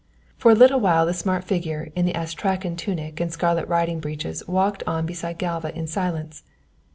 For a little while the smart figure in its astrakhan tunic and scarlet riding breeches walked on beside Galva in silence.